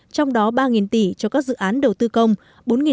trong đó ba tỷ cho các dự án đầu tư công